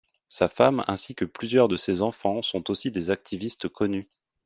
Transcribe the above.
Sa femme ainsi que plusieurs de ces enfants sont aussi des activistes connus.